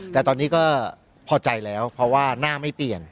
แต่ตอนนี้ก็พอใจแล้วเพราะว่าหน้าไม่เปลี่ยน